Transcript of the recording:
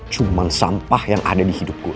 cuman sampah yang ada di hidup gue